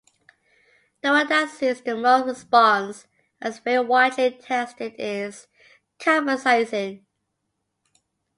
The one that sees the most response and is very widely tested is capsaicin.